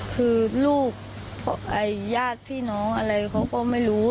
คือลูกญาติพี่น้องอะไรเขาก็ไม่รู้